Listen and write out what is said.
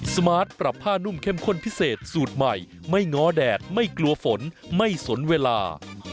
สมาร์ทปรับผ้านุ่มเข้มข้นพิเศษสูตรใหม่ไม่ง้อแดดไม่กลัวฝนไม่สนเวลา